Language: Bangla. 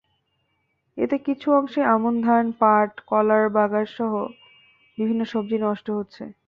এতে কিছু অংশে আমন ধান, পাট, কলার বাগানসহ বিভিন্ন সবজি নষ্ট হচ্ছে।